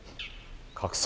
拡散！